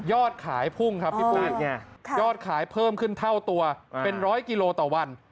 ขายพุ่งครับพี่ปุ้ยยอดขายเพิ่มขึ้นเท่าตัวเป็นร้อยกิโลต่อวัน